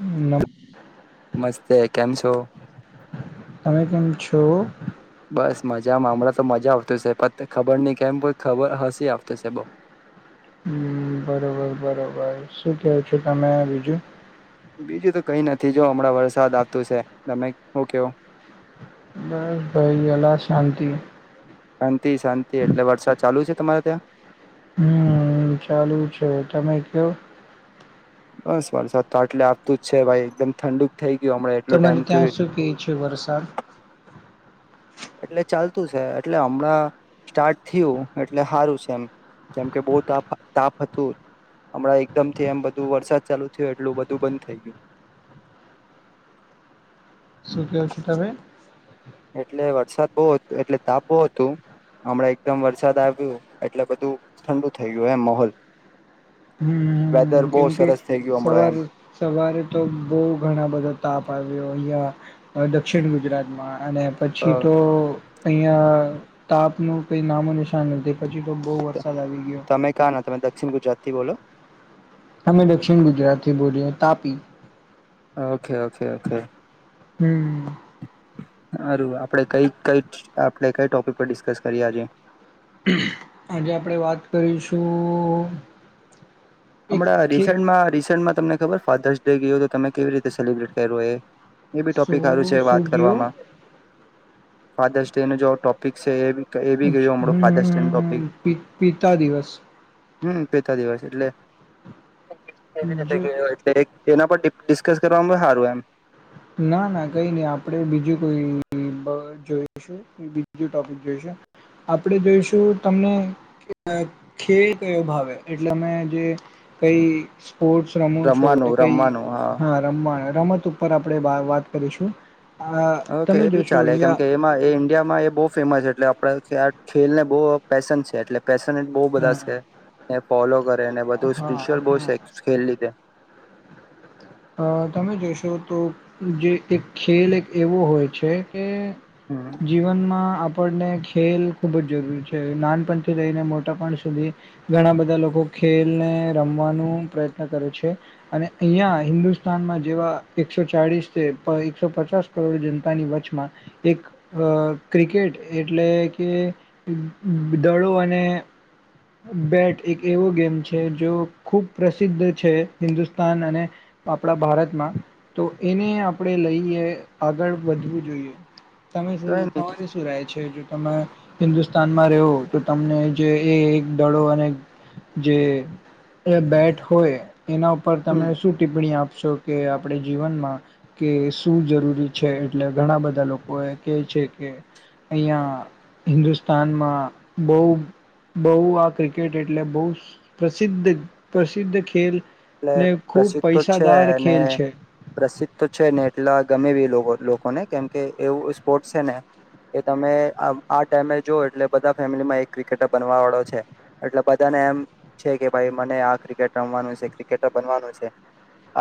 નમ મસ્તે કેમ, છો? તમે કેમ છો? બસ મજામાં, હમણાં તો મજા આવતી સે પણ ખબર નહી, કેમ કો ખબર હસી આવતી સે બો. બરોબર, બરોબર શું કેવો છો, તમે બીજું? બીજું તો કઈ નથી, જો હમણાં વરસાદ આવતું સે તમે હું, કેવ. બસ ભાઈ અલા શાંતિ શાંતિ શાંતિ એટલે વરસાદ ચાલુ છે તમારે ત્યાં? હમ્મ ચાલુ છે તમે કયો. બસ બસ તો આટલે આપતું જ છે ભાઈ એકદમ ઠંડુક થઈ ગયું હમણાં એટલો તમારે ટાઈમ ત્યાં થયું શું કહે છે વરસાદ? એટલે ચાલતું છે એટલે હમણાં સ્ટાર્ટ થયું એટલે હારુ છે એમ કેમકે બહુ તાપ તાપ હતું હમણાં એકદમથી એમ બધું વરસાદ ચાલુ થયો એટલું બધું બંધ થઈ ગયું. શું કેવો છે તમે? એટલે વરસાદ બહુ એટલે તાપ બહુ હતું હમણાં એકદમ વરસાદ આવ્યું એટલે બધું ઠંડુ થઇ ગયું એમ માહોલ વેધર હમ્મ બહુ કેમકે સરસ થઈ ગયું હમણાં એમ સવારે સવારે તો બહુ ઘણા બધા તાપ આવ્યો અહિયાં હવે દક્ષિણ ગુજરાતમાં અને હ પછી તો અહીંયા તાપનુ કઈ નામો નિશાન નથી પછી તો બહુ વરસાદ આવી ગયો તમે કાં ના તમે દક્ષિણ ગુજરાતથી બોલો. અમે દક્ષિણ ગુજરાતી બોલીએ તાપી. Okay okay okay. હમ્મ. હારું આપડે કઈ કઈ આપણે કઈ ટોપિક પર ડિસ્કસ કરીએ આજે? આજે આપણે વાત કરીશું એક હમણાં ઠીક રીસેન્ડમાં રીસેન્ડમાં તમને ખબર ફાધર્સ ડે ગયો તો તમે કેવી રીતે સેલિબ્રેટ કર્યો એ? એ બી ટોપિક હારું શું છે શું વાત ગયો કરવામાં. ફાધર્સ ડે નો જો ટોપિક છે એ એ બી હમ્મ ગયો હમણાં ફાધર્સ ડે નો મમમ ટોપિક પિતા દિવસ. હમ્મ પિતા દિવસ એટલે કેવી રીતે જો ગયો એટલે એના પર ડિ ડિસ્કસ કરવામાં સારું એમ. ના ના કઈ નઈ આપણે બીજું કોઈ જોઈશું બીજું ટોપિક જોઈશું આપણે જોઈશું તમને ખે કયો ભાવે એટલે અમે જે કઈ સ્પોર્ટસ રમો છો એટલે રમવાનું કઈ રમવાનું હા રમવાના રમત ઉપર આપ આપણેે બા વાત કરીશું. આ ઓકે એ તમે બી જોશો ચાલે કેમ અહિયાં કે એમાં એ ઇન્ડિયામાં એ બહુ ફેમસ એટલે પ્રખ્યાત ખેલને બહુ પેેશન છે એટલે પેશને બહુ બધા છે ને ફોલો કરે ને બધું હા હા સ્પિરીચ્યુઅલ બહુ હા છે ખેલ લીધે. આ તમે જોશો તો જે એક ખેલ એક એવો હોય છે કે હમ જીવનમાં આપ આપણેને ખેલ ખૂબ જ જરૂરી છે નાનપણથી લઈને મોટાપણ સુધી ઘણા બધા લોકો ખેલને રમવાનું પ્રયત્ન કરે છે અને અહિયાં હિન્દુસ્તાનમાં જેવા એકસો ચાળીસ કે તય એકસો પચાસ કરોડ જનતાની વચમાં એક અ ક્રિકેટ એટલે કે ઉહ દદ દળો અને બેટ એક એવો ગેમ છે જો ખુબ પ્રસિદ્ધ છે, હિન્દુસ્તાન અને આપણા ભારતમાં તો એને આપણે લઈએ આગળ વધવું જોઈએ. તમે કઈ શું, તમારે શું રહે છે, જો તમે હિન્દુસ્તાનમાં રહેવો તો તમને જે એ દડો અને જેએ એ બેટ હોય એના ઉપર નહી તમે શું ટિપ્પણી આપશો? કે આપડે જીવનમાં કે શું જરૂરી છે, એટલે ઘણા બધા લોકો એ કેહ છે કે, અહીંયા હિન્દુસ્તાનમાં બહુ બહુ આ ક્રિકેટ એટલે બહુસ પ્રસિદ્ધ પ્રસિદ્ધ ખેલ એટલે ને ખૂબ પ્રસિદ્ધ તો છે, પૈસાદાર અને ખેલ છે. પ્રસિદ્ધ તો છે ને એટલા ગમે રીલ બહુ જ લોકોને કેમકે, એવું સ્પોર્ટ સે ને કે તમે આમ આ ટાઈમે જો એટલે બધા ફેમિલીમાં એક ક્રિકેટર બનવાવાળો છે, એટલે બધાને એમ છે કે, ભાઈ મને આ ક્રિકેટ રમવાનું છે, ક્રિક કેટર બનવાનુ છે,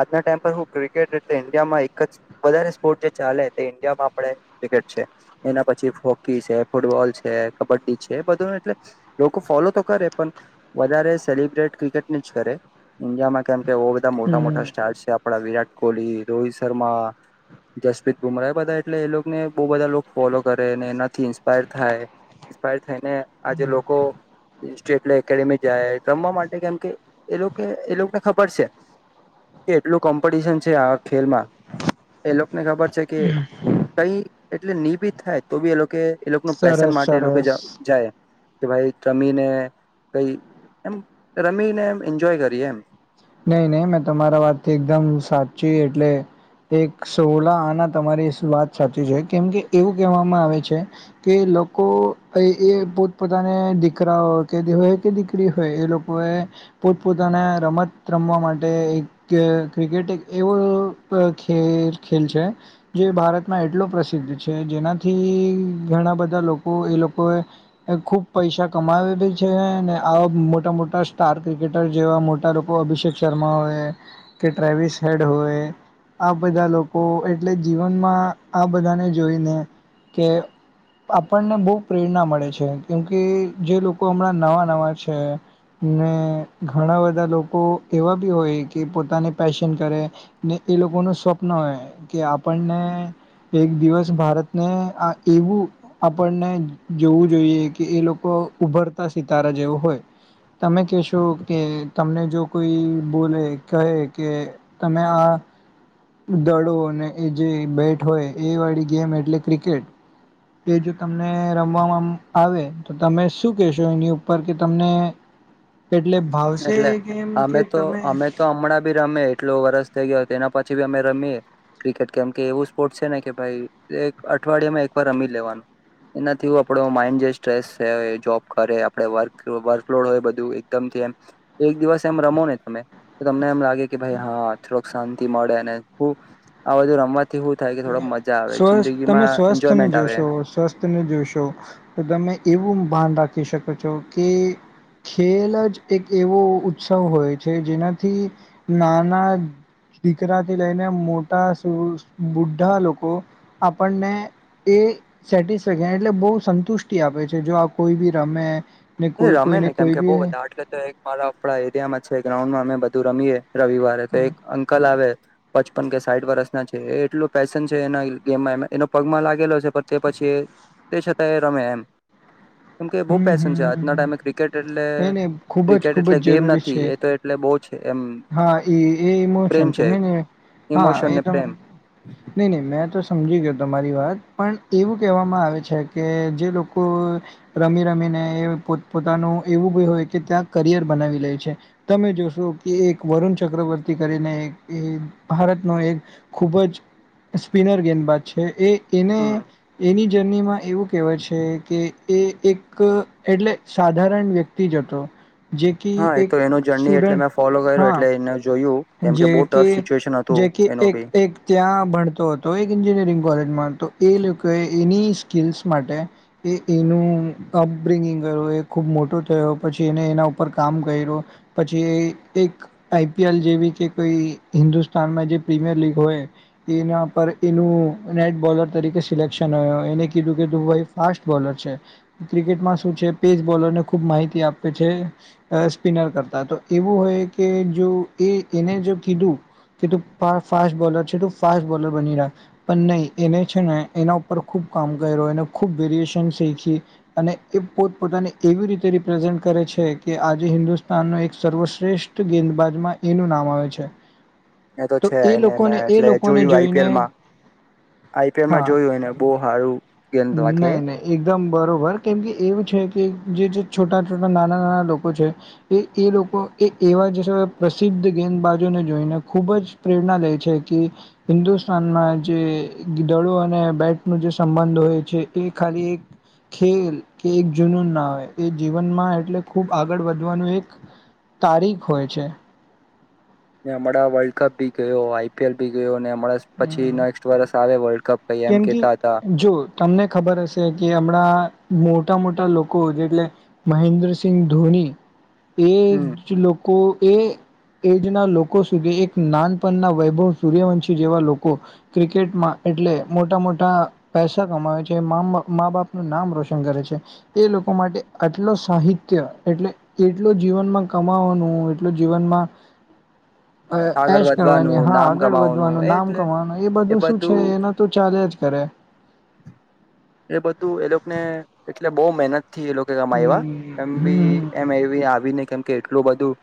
આજના ટાઈમ હું ક્રિકેટ એટલે ઇન્ડિયામાં એક જ વધારે સ્પોર્ટ જે ચાલે તે ઇન્ડિયામાં આપણે ક્રિકેટ છે, એના પછી હોકી છે, ફૂટબોલ છે, કબડ્ડી છે, એ બધું એટલે લોકો ફોલો તો કરે પન વધારે સેલિબ્રેટ ક્રિકેટની જ કરે ઇન્ડિયામાં કેમ કે બઉ બધા મોટા મોટા હમ સ્ટાર છે આપ પડા વિરાટ કોહલી, રોહિત શર્મા, જસપ્રીત બુમરાહ બધા એટલે એ લોકને બહુ બધા લોકો ફોલો કરે ને એનાથી ઇન્સ્પાયર થાય ઇન્સ્પાયર થઈને આજે લોકો એ સ્ટેટલે એકેડેમી જાય રમવા માટે કેમ કે, એ લોકો એ લોકો ના ખબર છે કે, એટલું કોમ્પટિશન છે આ ખેલમાં એ લોકને ખબર છે કે કંઈ ટલે નિભિત થાય તો બી એ લોકોએ એ લોકોનું પેશન સરસ માટે એ લોકો સરસ જા જાય. કે ભાઈ તમીને કઈ એમ રમીને એમ ઈન્જોય કરીએ એમ. નહી નહી મેં તમારા વાતથી એકદમ સાચી એટલે એક સોલા આના તમારી સુ વાત સાચી છે કેમકે, એવું કેહવામાં આવે છે કે, એ લોકો અઈ એ પોતપોતાને દીકરાઓ કે દી હોય કે દીકરી હોય એ લોકોએ પોતપોતાને રમત રમવા માટે એક કે ક્રિકેટ એક એવો ખ ખેલ ખેલ છે, જે ભારતમાં એટલો પ્રસિદ્ધ છે, જેનાથી ઘણા બધા લોકો એ લોકોએ ખૂબ પૈસા કમાવે બી છે ને આવા મોટા મોટા સ્ટાર ક્રિકેટર જેવા મોટા લોક તો અભિષેક શર્મા હોય કે, ટ્રેવિસ હેડ હોય આ બધા લોકો એટલે જીવનમાં આ બધાને જોઈને કે આપણને બહુ પ્રેરણા મળે છે કેમ કે, જે લોકો હમણાં નવાં નવા છે ને ઘણા બધા લોક તો એવા બી હોય કે પોતાને પેશન કરે ને એ લોકોનું સ્વપ્ન હોય કે આપણને એક દિવસ ભારતને આ એવું આપણને જોવું જોઈએ કે, એ લોકો ઉભરતા સિતારા જેવો હોય. તમે કકેહશો કે તમને જો કોઈ બોલે કહે કે તમે આ દડો ને એ જે બેટ હોય એ વળી ગેમ એટલે ક્રિકેટ, એ જો તમને રમવામાં આમ આવે તો તમે શું કેહેશો, એની ઉપર કે તમને એટલે ભાવશે એટલે કે એમ અમે તો અમે તો હમણાં ભી રમે એટલું વરસ થઇ ગ્યો. એના પછી બી અમે રમીએ ક્રિકેટ કેમ કે એવું સ્પોર્ટ છે ને કે ભાઈ એક અઠવાડિયેમાં એકવાર રમીજ લેવાનું એનાથી આપડો માઇન્ડ જે સ્ટ્રેસ છે, એ જોબ કરે આપડે વર્કલો વર્કલોડ હોય બધું એકદમ થી એમ એક દિવસ એમ રમો ને તમે તો તમને એમ લાગ કે કે ભાઈ હા, થોડોક શાંત થી મળે અને હું આ બધું રમત સ્વસ્થ તમે સ્વસ્થ તને એન્જોયમેન્ટ આવે જોશો સ્વસ્થ તને જોશો તો તમને એવું ભાન રાખી શકો છો કે ખેલ જ એક એવો ઉત્સવ હોય છે, જેનાથી નાના દીકરાથી લઈને મોટા સુ બુઢ્ઢા લોકો આપણને એ સેટિસ એટલે બહું સંતુષ્ટિ આપે છે, જો આ કોઈ બી રમે ને તે કોઈ રમે કોઈને ને કેમ કોઈ કે બઉ બી બધા આટલે તે એક મારા એરિયામાં છે, ગ્રાઉન્ડમાં અમે બધું રમીએે રવિવારે તો હમ એક અંકલ આવે પચપન કે સાઠ વર્ષના છે એ એટલું પેશન છે એના ગેમમાં એનો પગ માં લાગેલો છે. પર તે પછી તે છતાંય રમે એમ ચમ કે બહુ હમ પેસેન્જ છે આજ ના હમ ટાઈમે ક્રિકેટ એટલે નઈ નહી ખુબ જ ક્રિકેટ ખુબ એટલે જ ગેમ જરૂરી નથી છે એ તો એટલે બહુ છે એમ હા એ એ ઇમોશન છે ન ન હા ઇમોશન એ ને ત પ્રેમ નહી નહી મેં તો સમજી ગયો તમારી વાત પણ એવું કહેવામાં આવે છે કે જે લોકો રમી રમીને પો પોતાનું એવું બ હોય કે ત્યાં કરિયર બનાવી લે છે તમે જોશો એ એક વરુણ ચક્રવર્તી કરીને એ ભારતનો એક ખૂબ જ સ્પિનર ગેદબાજ છે એ એને હમ એની જર્નીમાં એવું કહેવાય છે કે એ એક એટલે સાધારણ વ્યક્તિ જ હતો. જે કે હા એ એક તો એનું જર્ની એટલે સ્ટુડન્ટ મે ફોલો કર્યું હા એટલે એને જોયું. કેમ કે બહુ ટફ જે સિચ્યુએશન જે હતું એનું એક બી એક ત્યાં ભણતો હતો એક ઈન્જિનિયરિંગ કોલેજ‌ એ લોકો એ એની સ્કીલસ માટે એનું અપબ્રિંગિંગ કર્યું એ ખુબ મોટો થયો પછી એ એના ઉપર કામ કર્યું પછી એક આઈપીએલ જેવી કે કોઈ હિન્દુસ્તાનમાં જે પ્રીમિયર લીગ હોય એના પર એનું નેટ બોલર તરીકે સિલેક્શન હોય એને કીધું કેું ભાઈ ફાસ્ટ બોલર છે ક્રિકેટમાં શું છે પેજ બોલરને ખૂબ માહિતી આપે છે સ્પિનર કરતા તો એવું હોય કે જો એ એને જો કીધું કે તું ફાસ્ટ બોલર છે તું ફાસ્ટ બોલર બની રહો પણ નહીં એને છે ને એના ઉપર ખૂબ કામ કર્યો એને ખૂબ વેરિએશન શીખી અને એ પોતપતાને એવી રીતે રિપ્રેઝેન્ટ કરે છે કે આજે હિન્દુસ્તાનનો એક સર્વશ્રેષ્ઠ ગેદબાજમાં એનું નામ આવે છે. તો છે એ એને લોકોને મેં એ એટલે લોકોને જોયું જોઈને આઈપીએલમાં આઈપીએલમાં હા જોયું એને બહુ સારું ગેમ રાખે નહી નહી એકદમ બરોબર કેમ કે એવું છે કે જે જે છોટા છોટાં નાના નાના લોકો છે એ એ લોકો એ એવા જે છા પ્રસિદ્ધ ગેદબાજોને જોઈને ખૂબ જ પ્રેરણા લે છે કે હિન્દુસ્તાનમાં જે દડો અને બેટ ન જે સંબંધ હોય છે એ ખાલી એક ખેલ કે એક જૂનૂન ના હોય એ જીવનમાં એટલે ખૂબ આગળ વધવાનું એક તારીખ હોય છે. હમણાં વર્લ્ડ કપ ભી ગયો આઈપીએલ ભી ગયો ને એમ પછી હમ નેક્સ્ટ વર્ષ આવે વર્લ્ડ કપ કઈ એમ કેમ કે કેતા હતા. જો તમને ખબર હશે કે હમણાં મોટા મોટા લોકો જેટલે મહેન્દ્રસિંહ ધોની. એ હમ જ લોકો કો એ એજના લોકો સુધી એક નાનપણના વૈભવ સૂર્યવંશી જેવા લોકો ક્રિકેટમાં એટલે મોટા મોટા પૈસા કમાવે છે મા બાપનું નામ રોશન કરે છે એ લોકો માટે આટલો સાહિત્ય એટલે એટલો જીવનમાં કમાવાનું એટલો જીવનમાં આગળ એશ કરવાની વધવાનું હા નામ આગળ કમાવાનું વધવાનું નામ એટલે કવાનું એ બધું શું છે એ નથી એ બધું એ લોકોને એટલે બઉુ મહેનત થી એ લોકો ગમા એવા એમ હમ બી હમ એમ એવી આવી ને કેમ કે એટલું બધું.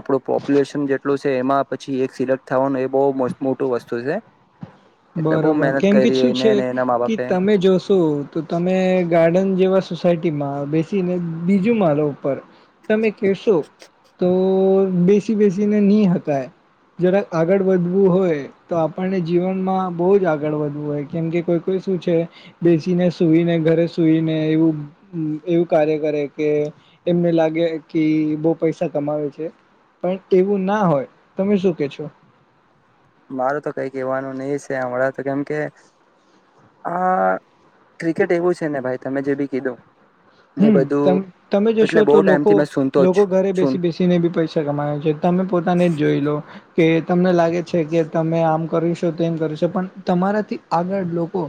આપડું પોપ્યુલેશન જેટલું છે એમાં. પછી એક સિલેક્ટ થવાનો એ બહુ મોટું વસ્તુ છે. એટલે બહુ બરોબર મહેનત કેમ કે કરી શું એને છે એના મા કે બાપે તમે જોશો તો તમે ગાર્ડન જેવા સોસાયટીમાં બે બીજું માલો ઉપર તમે કેશો તો બેસી બેસીને નહીકાય જરા આગળ વધવું હોય તો આપણને જીવન માં બહુ જ આગળ વધવું હોય કેમ કે કોઈ કોઈ શું છે બેસીને સુઈને ઘરે સુઈને એવું એવું કાર્ય કરે કે એમને લાગે કે બહુ પૈસા કમાવે છે પણ એવું ના હોય તમે શું કે છો. માર તો કઈ કહેવાનું નહી છે હમણાં તો કેમ કે આ ક્રિકેટ એવું છે ને ભાઈ તમે જે બી કીધું. એ હમ બધું તમે જશો એટલે બહુ તો લોકો ટાઈમથી મેં સુનતો લોકો જ ઘરે છું બેસી બેસીને બી પૈસા કમાવે છે તમે પોતાને જ જોઈ લો કે તમને લાગે છે કે તમે આમ કરીશો તોમ કરીશો પણ તમારાથી આગળ લોકો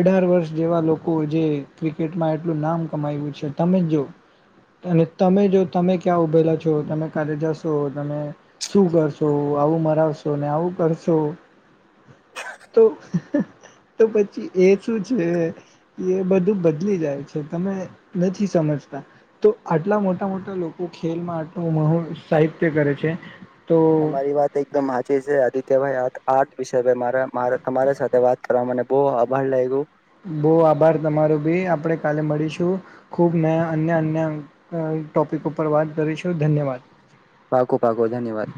અઢાર વર્ષ જેવા લોકો જે ક્રિકેટમાં એટલું નામ તમે જો અને તમે જો તમે ક્યાં ઉભેલા છો તમે ક્યારે જશો તમે શું કરશો આવું મરાવશો ને આવું કરશો તો તો પછી એ શું છે એ બધું બદલી જાય છે તમે નથી સમજતા તો આટલા મોટા મોટા લોકો ખેલમાં આટલું મહુ સાહિત્ય કરે છે તો તમારી વાત એકદમ સાચી છે આદિત્યભાઈ હ આર્ટ વિશે મા તમારી સાથે વાત કરવા મને બોવ આભાર લાગ્યું બોવ આભાર તમારો બી આપણે કાલે મળીશું ખુબ ને અન્ય અન્ય ટોપિક ઉપર વાત કરીશું ધન્યવાદ પાક્કું પાક્કું ધન્યવાદ